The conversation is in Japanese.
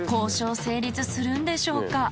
交渉成立するんでしょうか？